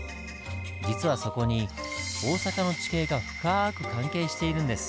実はそこに大阪の地形が深く関係しているんです。